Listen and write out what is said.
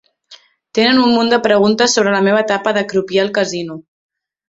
Tenen un munt de preguntes sobre la meva etapa de crupier al casino.